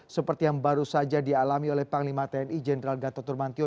seperti yang baru saja dialami oleh panglima tni jenderal gatot nurmantio